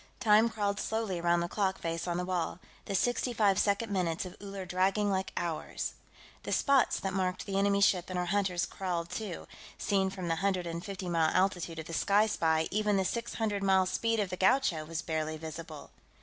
Time crawled slowly around the clock face on the wall, the sixty five second minutes of Uller dragging like hours. The spots that marked the enemy ship and her hunters crawled, too; seen from the hundred and fifty mile altitude of the Sky Spy, even the six hundred mile speed of the Gaucho was barely visible.